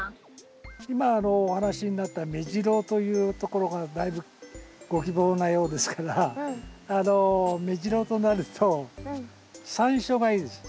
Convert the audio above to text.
今お話しになったメジロというところがだいぶご希望なようですからあのメジロとなるとサンショウがいいです。